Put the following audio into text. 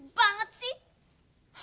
pelit banget sih